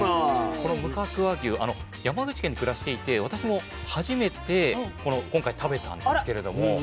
この無角和牛山口県に暮らしていて私も初めて今回食べたんですけれども。